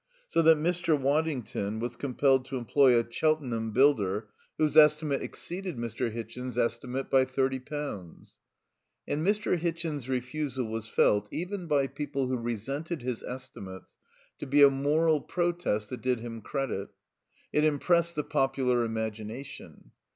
So that Mr. Waddington was compelled to employ a Cheltenham builder whose estimate exceeded Mr. Hitchin's estimate by thirty pounds. And Mr. Hitchin's refusal was felt, even by people who resented his estimates, to be a moral protest that did him credit. It impressed the popular imagination.